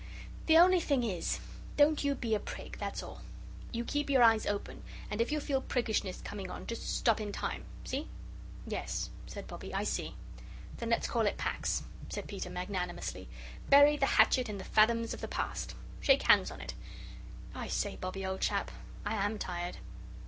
The only thing is don't you be a prig, that's all. You keep your eyes open and if you feel priggishness coming on just stop in time. See?" "Yes," said Bobbie, "I see." "Then let's call it Pax," said Peter, magnanimously: "bury the hatchet in the fathoms of the past. Shake hands on it. I say, Bobbie, old chap, I am tired."